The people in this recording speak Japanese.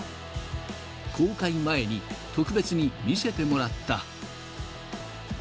公開前に特別に見せてもらった。